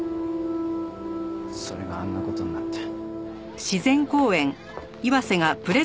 それがあんな事になって。